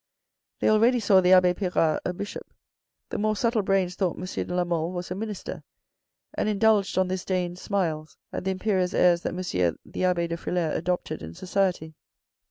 They already saw the abbe Pirard a Bishop. The more subtle brains thought M. de la Mole was a minister, and indulged on this day in smiles at the imperious airs that M. the abbe de Frilair adopted in society.